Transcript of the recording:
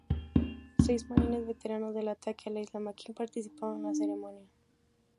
Seis marines veteranos del ataque a la isla Makin participaron en la ceremonia.